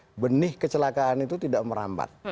nah benih kecelakaan itu tidak merambat